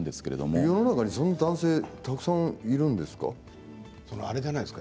世の中にそういう男性がたくさんいるんですか。